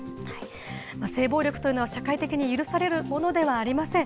性暴力というのは、社会的に許されるものではありません。